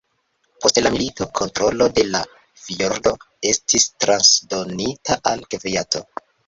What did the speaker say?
Post la milito kontrolo de la fjordo estis transdonita al Kuvajto.